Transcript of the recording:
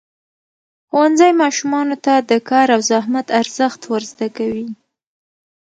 ښوونځی ماشومانو ته د کار او زحمت ارزښت ورزده کوي.